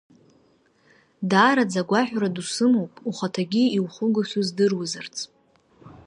Даараӡа агәаҳәара ду сымоуп ухаҭагьы иухугахьоу здыруазарц!